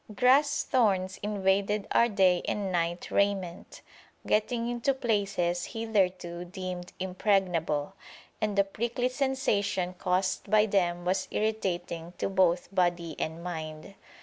Grass thorns invaded our day and night raiment, getting into places hitherto deemed impregnable, and the prickly sensation caused by them was irritating to both body and mind.